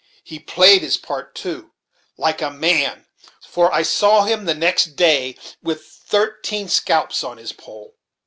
He played his part, too, like a man, for I saw him next day with thirteen scalps on his pole.